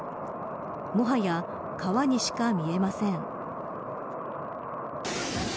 もはや、川にしか見えません。